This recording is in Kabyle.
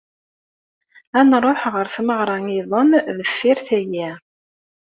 Ad nruḥ ɣer tmeɣra-iḍen deffir tayi.